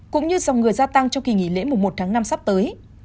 cũng như dòng người gia tăng trong kỳ nghỉ lễ mùa một tháng năm sắp tới